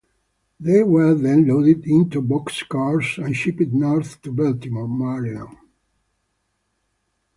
They were then loaded onto box cars and shipped north to Baltimore, Maryland.